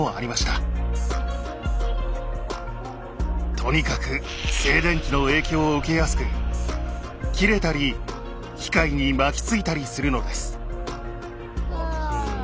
とにかく静電気の影響を受けやすく切れたり機械に巻きついたりするのです。